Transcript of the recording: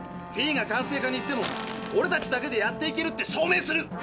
フィーが管制課に行ってもオレたちだけでやっていけるって証明する！